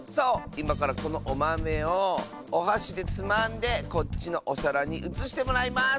いまからこのおまめをおはしでつまんでこっちのおさらにうつしてもらいます！